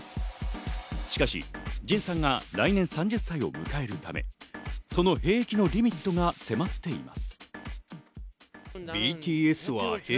しかし、ＪＩＮさんが来年３０歳を迎えるため、その兵役のリミットが迫っています。